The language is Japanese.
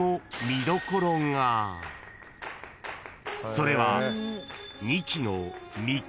［それは］